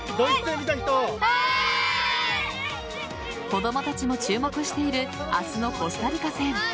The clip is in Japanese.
子供たちも注目している明日のコスタリカ戦。